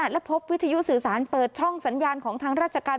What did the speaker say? และพบวิทยุสื่อสารเปิดช่องสัญญาณของทางราชการ